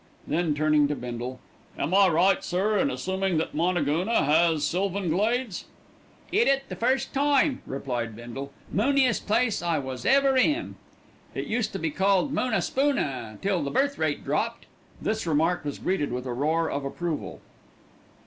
Then, turning to Bindle, "Am I right, sir, in assuming that Moonagoona has sylvan glades?" "'It it first time," replied Bindle. "Mooniest place I was ever in. It used to be called Moonaspoona till the birth rate dropped." This remark was greeted with a roar of approval.